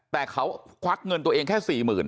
แต่เขาควักเงินตัวเองแค่๔๐๐๐